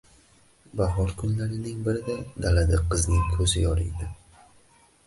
Bahor kunlarining birida, dalada qizning ko`zi yoriydi